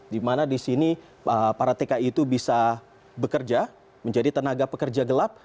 di mana di sini para tki itu bisa bekerja menjadi tenaga pekerja gelap